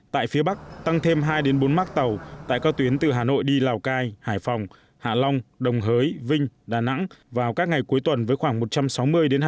tại phía bắc tăng thêm hai bốn mác tàu tại các tuyến từ hà nội đi lào cai hải phòng hạ long đồng hới vinh đà nẵng vào các ngày cuối tuần với khoảng một trăm sáu mươi hai